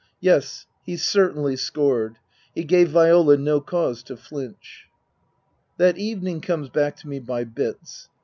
Yes ; he certainly scored. He gave Viola no cause to flinch. That evening comes back to me by bits.